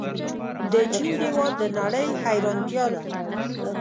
د چین دیوال د نړۍ حیرانتیا ده.